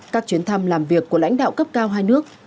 các chuyến thăm làm việc của lãnh đạo cấp cao hai nước